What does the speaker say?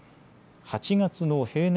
８月の平年